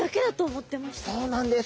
そうなんです。